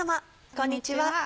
こんにちは。